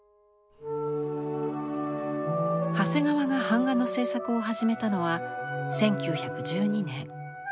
長谷川が版画の制作を始めたのは１９１２年。